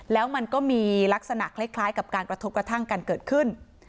แล้วมันก็มีลักษณะคล้ายกับการกระทบกระทั่งกันเกิดขึ้น